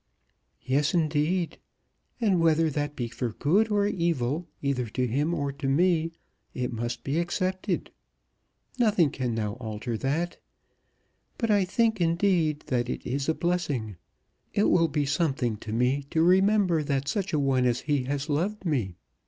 "Yes, indeed; and whether that be for good or evil, either to him or to me, it must be accepted. Nothing now can alter that. But I think, indeed, that it is a blessing. It will be something to me to remember that such a one as he has loved me.